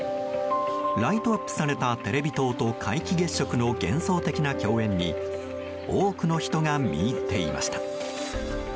ライトアップされたテレビ塔と皆既月食の幻想的な共演に多くの人が見入っていました。